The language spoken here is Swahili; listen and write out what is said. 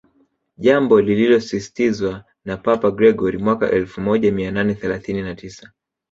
jambo lililosisitizwa na Papa Gregori mwaka elfu moja mia nane thelathini na tisa